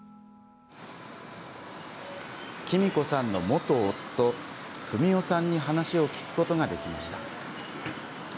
きみこさんの元夫、文夫さんに話を聞くことができました。